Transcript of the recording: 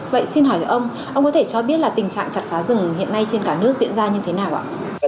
vậy xin hỏi ông ông có thể cho biết là tình trạng chặt phá rừng hiện nay trên cả nước diễn ra như thế nào ạ